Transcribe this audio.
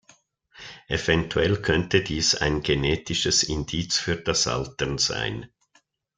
Eventuell könnte dies ein genetisches Indiz für das Altern sein.